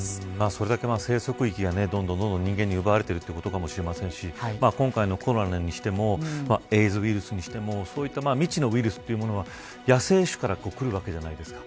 それだけ生息域がどんどん人間に奪われてるということかもしれませんし今回のコロナにしてもエイズウイルスにしてもそういった未知のウイルスというものは野生種からくるわけじゃないですか。